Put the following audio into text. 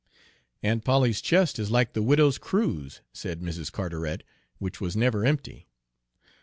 "Aunt Polly's chest is like the widow's cruse," said Mrs. Carteret, "which was never empty."